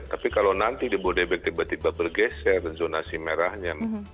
tapi kalau nanti di bodebek tiba tiba bergeser zonasi merahnya